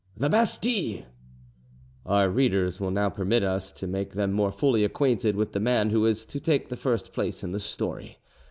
"The Bastille!" Our readers will now permit us to make them more fully acquainted with the man who is to take the first place in the story.